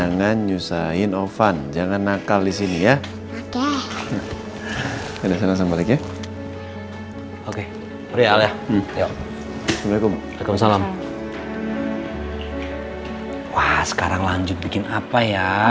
nah sekarang lanjut bikin apa ya